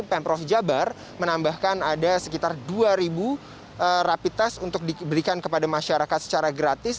pemprov jabar menambahkan ada sekitar dua rapid test untuk diberikan kepada masyarakat secara gratis